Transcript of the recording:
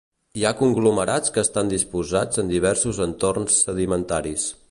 Hi ha conglomerats que estan dipositats en diversos entorns sedimentaris.